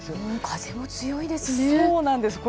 風も強いんですね。